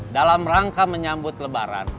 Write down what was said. dalam rangka menyambut lebaran